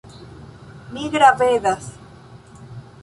Mi gravedas.